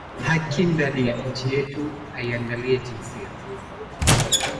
Haki ndani ya inchi yetu aiangalie jinsia